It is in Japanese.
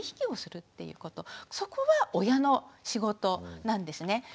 そこは親の仕事なんですね。